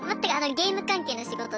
ゲーム関係の仕事で。